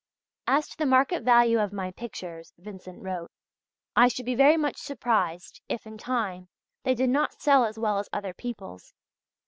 "As to the market value of my pictures," Vincent wrote (pages 8 and 9), "I should be very much surprised if, in time, they did not sell as well as other people's.